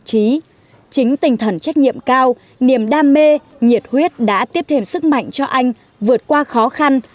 trí chính tinh thần trách nhiệm cao niềm đam mê nhiệt huyết đã tiếp thêm sức mạnh cho anh vượt qua khó khăn